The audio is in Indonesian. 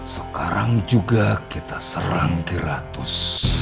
sekarang juga kita serang kira atus